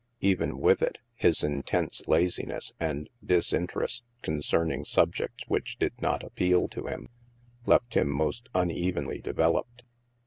Even with it, his intense laziness and dis interest concerning subjects which did not appeal to him, left him most unevenly developed.